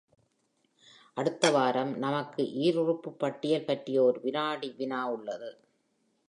அடுத்த வாரம் நமக்கு ஈருறுப்பு பட்டியல் பற்றிய ஒரு வினாடி-வினா உள்ளது.